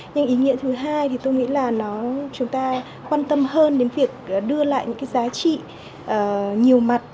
nhưng ý nghĩa thứ hai thì tôi nghĩ là nó chúng ta quan tâm hơn đến việc đưa lại những cái giá trị nhiều mặt